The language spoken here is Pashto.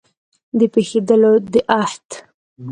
د پېښېدلو د احت